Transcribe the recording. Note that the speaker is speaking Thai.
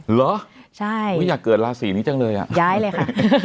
เหรอใช่อยากเกิดราศีนี้จังเลยอ่ะย้ายเลยค่ะ